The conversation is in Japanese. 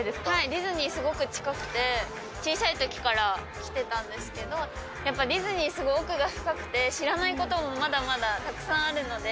ディズニー、すごく近くて、小さいときから来てたんですけど、やっぱりディズニー、すごい奥が深くて、知らないこともまだまだたくさんあるので。